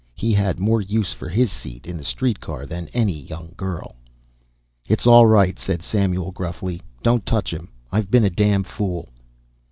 He had more use for his seat in the street car than any young girl. "It's all right," said Samuel gruffly. "Don't touch 'him. I've been a damn fool."